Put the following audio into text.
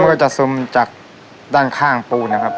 ก็จะซึมจากด้านข้างปูนะครับ